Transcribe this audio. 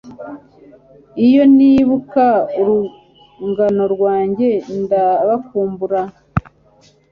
iyo nibuka urungano rwanjye ndabakumbura